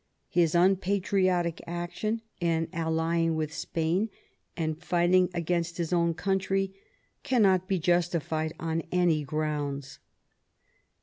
His unpatriotic action in allying with Spain and fighting against his own country cannot be justified on any grounds.